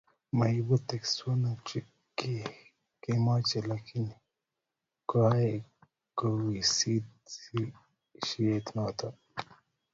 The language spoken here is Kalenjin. Maibu teksosiek kiekimoche lakini konye kowisisit sikishet noto